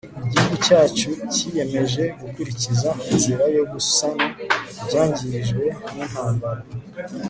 igihugu cyacu kiyemeje gukurikiza inzira yo gusana ibyangijwe n'intambara